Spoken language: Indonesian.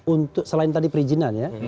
untuk selain tadi perizinan ya